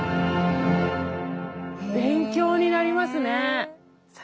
勉強になりますね。